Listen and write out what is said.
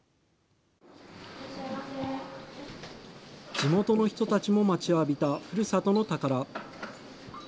地元の人たちも待ちわびた、ふるさとの宝。